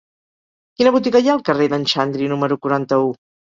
Quina botiga hi ha al carrer d'en Xandri número quaranta-u?